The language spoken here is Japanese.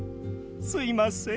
すいません。